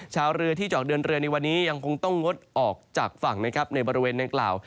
ชาวเรือที่จะออกเดินเรือในวันนี้ยังคงต้องงดออกจากฝั่งนะครับในบริเวณดังกล่าว